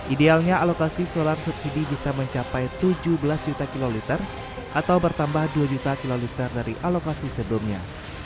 idealnya alokasi solar subsidi bisa mencapai tujuh belas juta kiloliter atau bertambah dua juta kiloliter dari alokasi sebelumnya